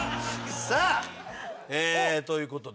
さあええーという事で。